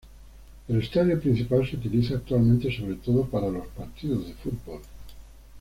El estadio principal se utiliza actualmente sobre todo para los partidos de fútbol.